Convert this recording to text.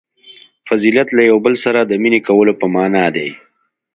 • فضیلت له یوه بل سره د مینې کولو په معنیٰ دی.